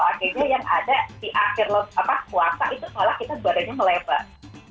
akhirnya yang ada di akhir puasa itu malah kita badannya melebar